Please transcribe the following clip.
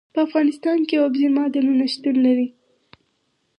په افغانستان کې اوبزین معدنونه شتون لري.